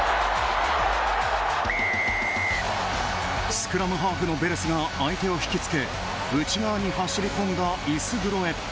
スクラムハーフのベレスが相手を引きつけ内側に走り込んだイスグロへ。